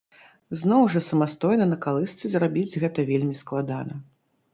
Зноў жа самастойна на калысцы зрабіць гэта вельмі складана.